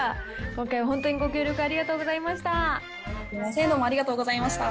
今回、本当にご協力ありがとうございました。